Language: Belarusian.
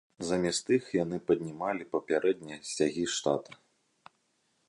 Замест іх яны паднімалі папярэднія сцягі штата.